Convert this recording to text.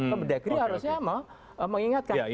kemendagri harusnya mengingatkan